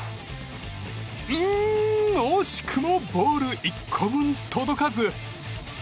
うーん、惜しくもボール１個分届かず。